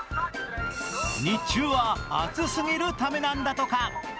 日中は暑すぎるためなんだとか。